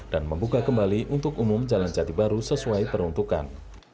dan membuka kembali untuk umum jalan jati baru sesuai peruntukan